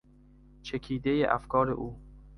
چکیدهی افکار او